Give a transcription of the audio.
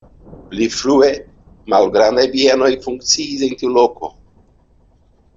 Pli frue malgrandaj bienoj funkciis en tiu loko.